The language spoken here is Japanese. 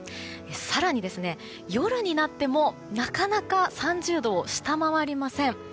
更に夜になってもなかなか３０度を下回りません。